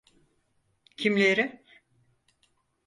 Kimleri?